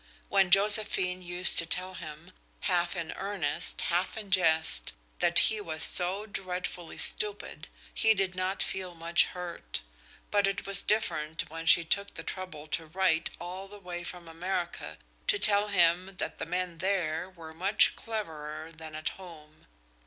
When Josephine used to tell him, half in earnest, half in jest, that he was "so dreadfully stupid," he did not feel much hurt; but it was different when she took the trouble to write all the way from America to tell him that the men there were much cleverer than at home.